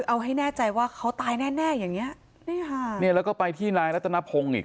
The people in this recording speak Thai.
ไม่แน่ใจว่าเขาตายแน่อย่างนี้แล้วก็ไปที่รายรัฐนาภงอีก